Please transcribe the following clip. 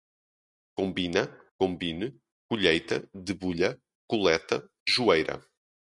combina, combine, colheita, debulha, coleta, joeira